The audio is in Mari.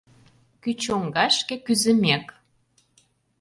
Кӱ чоҥгашке кӱзымек